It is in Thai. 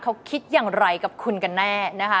เขาคิดอย่างไรกับคุณกันแน่นะคะ